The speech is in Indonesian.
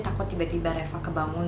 takut tiba tiba reva kebangun